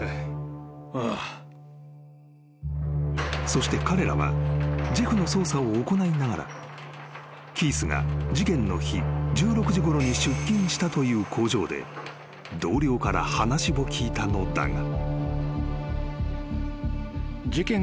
［そして彼らはジェフの捜査を行いながらキースが事件の日１６時ごろに出勤したという工場で同僚から話を聞いたのだが］